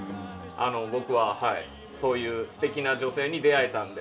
僕はそういう素敵な女性に出会えたので。